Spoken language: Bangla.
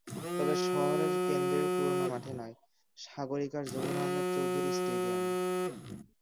তবে শহরের কেন্দ্রের পুরোনো মাঠে নয়, সাগরিকার জহুর আহমদ চৌধুরী স্টেডিয়ামে।